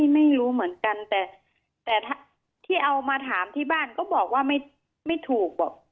ไม่รู้เหมือนกันแต่ที่เอามาถามที่บ้านก็บอกว่าไม่ถูกบอก